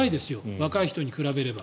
若い人に比べれば。